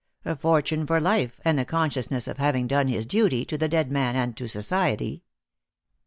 A fortune for life, and the consciousness of having done his duty to the dead man and to society.